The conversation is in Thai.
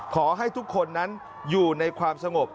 ขอให้ทุกคนนั้นอยู่ในความสงบ